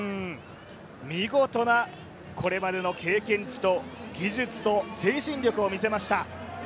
見事なこれまでの経験値と技術と精神力を見せました。